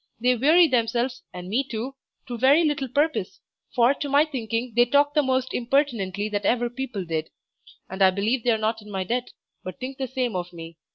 They weary themselves, and me too, to very little purpose, for to my thinking they talk the most impertinently that ever people did; and I believe they are not in my debt, but think the same of me.